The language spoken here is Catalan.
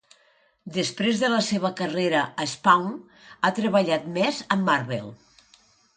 Després de la seva carrera a "Spawn" ha treballat més amb Marvel.